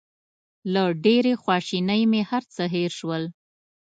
له ډېرې خواشینۍ مې هر څه هېر شول.